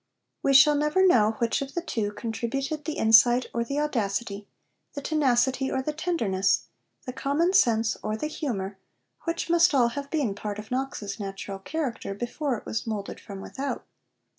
We shall never know which of the two contributed the insight or the audacity, the tenacity or the tenderness, the common sense or the humour, which must all have been part of Knox's natural character before it was moulded from without.